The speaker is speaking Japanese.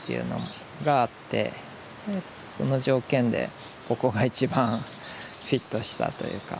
その条件でここが一番フィットしたというか。